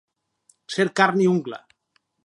Ser carn i ungla.